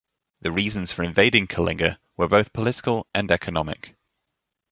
The reasons for invading Kalinga were both political and economic.